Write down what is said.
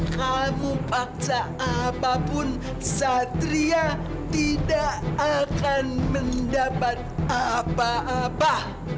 kamu paksa apapun satria tidak akan mendapat apa apa